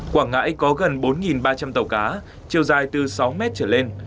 quảng ngãi có gần bốn ba trăm linh tàu cá chiều dài từ sáu mét trở lên